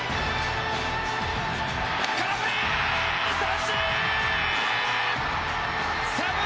空振り三振！